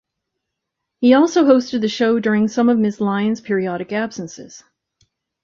He also hosted the show during some of Ms. Lyons' periodic absences.